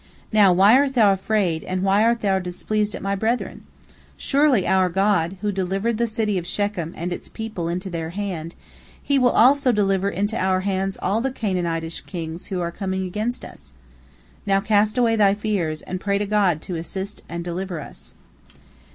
Now, why art thou afraid, and why art thou displeased at my brethren? Surely, our God, who delivered the city of Shechem and its people into their hand, He will also deliver into our hands all the Canaanitish kings who are coming against us. Now cast away thy fears, and pray to God to assist us and deliver us."